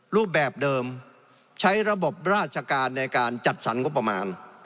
รูปแบบเดิมใช้ระบบราชการในการจัดสรรงบประมาณ